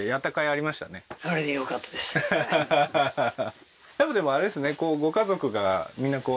やっぱでもあれですね